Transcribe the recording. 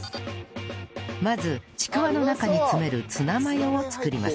まずちくわの中に詰めるツナマヨを作ります